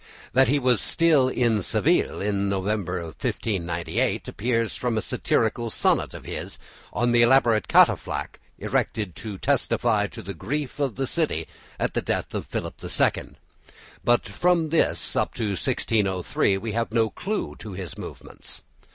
That he was still in Seville in November 1598 appears from a satirical sonnet of his on the elaborate catafalque erected to testify the grief of the city at the death of Philip II, but from this up to 1603 we have no clue to his movements.